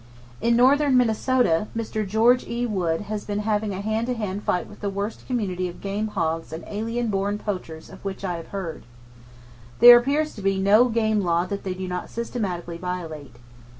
In northern Minnesota, George E. Wood has been having a hand to hand fight with the worst community of game hogs and alien born poachers of which I have heard. There appears to be no game law that they do not systematically violate.